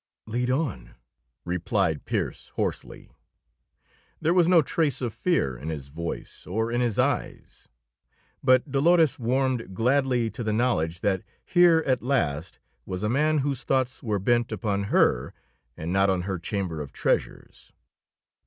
"Lead on," replied Pearse hoarsely. There was no trace of fear in his voice or in his eyes; but Dolores warmed gladly to the knowledge that here at last was a man whose thoughts were bent upon her and not on her chamber of treasures.